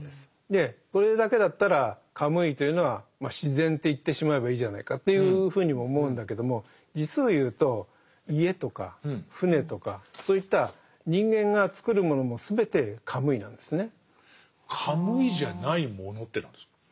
これだけだったらカムイというのは「自然」って言ってしまえばいいじゃないかというふうにも思うんだけども実を言うと家とか舟とかそういった人間が作るものも全てカムイなんですね。